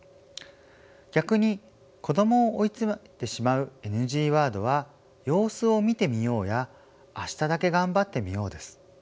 逆に子どもを追い詰めてしまうＮＧワードは「様子を見てみよう」や「明日だけ頑張ってみよう」です。